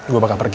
gua bakal pergi